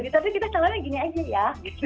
tapi kita selalu begini aja ya